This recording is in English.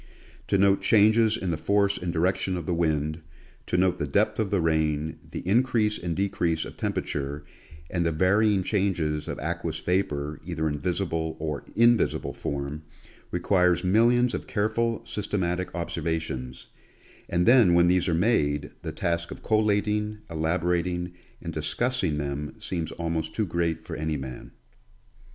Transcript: To note changes in the force and direction of the wind, to note the depth of the rain, the increase and decrease of temperature and the varying changes of aqueous vapor, either in visible or invisible form, requires millions of careful, systematic observa tions, and then when these are made, the task of collating, elabo rating and discussing them seems almost too great for any man.